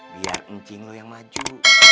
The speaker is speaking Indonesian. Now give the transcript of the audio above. biar ncing lu yang maju jadi wali lu